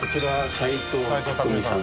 斎藤さん。